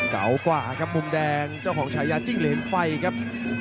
เก่ากว่าครับมุมแดงเจ้าของฉายาจิ้งเหรนไฟครับ